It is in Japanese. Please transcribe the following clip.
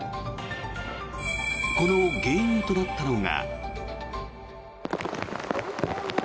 この原因となったのが。